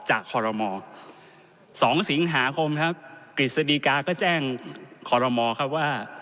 คอรมอ๒สิงหาคมครับกฤษฎีกาก็แจ้งคอรมอครับว่า